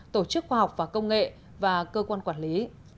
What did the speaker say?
tổ chức khoa học và công nghệ và cơ quan quản lý